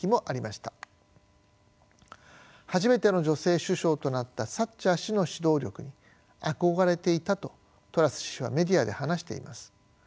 初めての女性首相となったサッチャー氏の指導力に憧れていたとトラス氏はメディアで話しています。